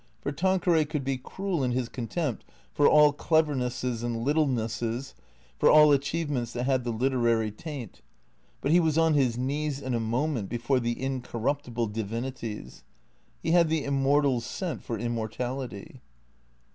For Tanque ray could be cruel in his contempt for all clevernesses and little nesses, for all achievements that had the literary taint; but he was on his knees in a moment before the incorruptible divinities. He had the immortal's scent for immortality.